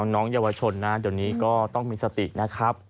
น้องเยาวชนนะเดี๋ยวนี้ก็ต้องมีสตินะครับ